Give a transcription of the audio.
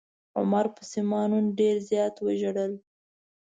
عمر پسې ما نن ډير زيات وژړل.